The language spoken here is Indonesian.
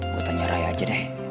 gue tanya raya aja deh